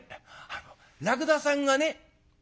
「あのらくださんがね」。